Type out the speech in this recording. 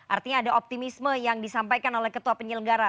artinya ada optimisme yang disampaikan oleh ketua penyelenggara